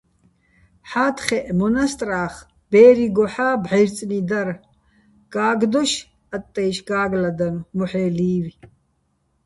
ჰ̦ა́თხეჸ მონასტრა́ხ ბე́რიგოჰ̦ა́ ბჵაჲრწნი დარ, გა́გდოშე̆ ატტაჲში̆ გა́გლადანო̆, მოჰ̦ე ლი́ვი̆.